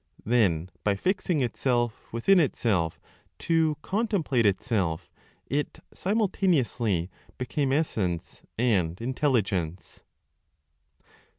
Then by fixing itself within itself to contemplate itself, it simultaneously became Essence and Intelligence.